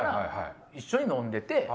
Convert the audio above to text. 一緒に飲んでて。